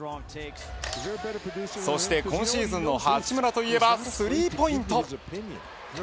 そして今シーズンの八村といえばスリーポイント。